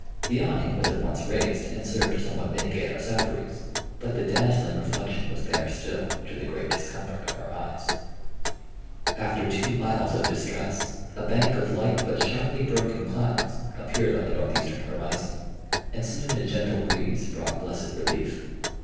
The awning was at once raised, and served to somewhat mitigate our sufferings, but the dazzling reflection was there still, to the great discomfort of our eyes. After two miles of distress, a bank of light but sharply broken clouds appeared on the northeastern horizon, and soon a gentle breeze brought blessed relief.